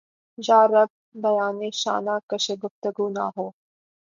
یارب! بیانِ شانہ کشِ گفتگو نہ ہو!